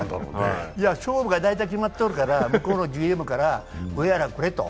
勝負が大体決まっておるから、向こうのＧＭから、上原くれと。